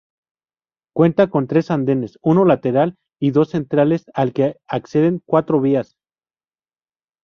Cuenta con tres andenes, uno lateral y dos centrales al que acceden cuatro vías.